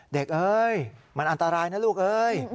เอ้ยมันอันตรายนะลูกเอ้ย